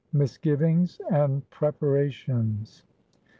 MISGIVINGS AND PREPARATIONS.